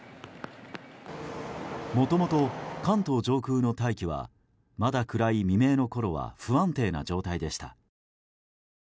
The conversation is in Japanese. もともと関東上空の大気はまだ暗い未明のころは不安定な状態でした。